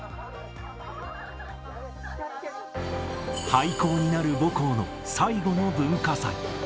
廃校になる母校の最後の文化祭。